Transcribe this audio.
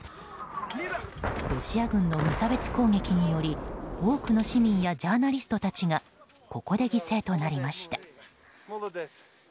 ロシア軍の無差別攻撃により多くの市民やジャーナリストたちがここで犠牲となりました。